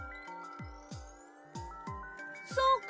そうか。